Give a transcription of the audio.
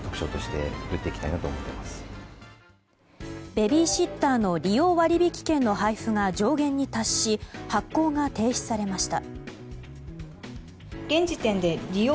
ベビーシッターの利用割引券の配布が上限に達し発行が停止されました。